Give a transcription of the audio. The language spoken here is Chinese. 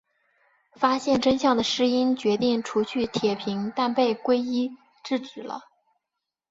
发现真相的诗音决定除去铁平但被圭一制止了。